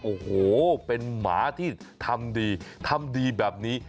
โอ้โหเป็นหมาที่ทำดีทำดีแบบนี้